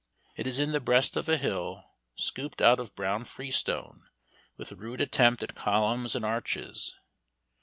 It is in the breast of a hill, scooped out of brown freestone, with rude attempt at columns and arches.